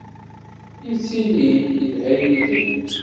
Yettili-d yelha yid-m?